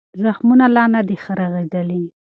زخمونه لا نه دي رغېدلي.